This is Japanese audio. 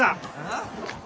あ？